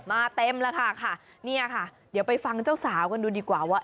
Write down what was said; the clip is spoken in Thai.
เต็มแล้วค่ะเนี่ยค่ะเดี๋ยวไปฟังเจ้าสาวกันดูดีกว่าว่า